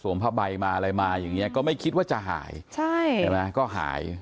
ผ้าใบมาอะไรมาอย่างเงี้ก็ไม่คิดว่าจะหายใช่ใช่ไหมก็หาย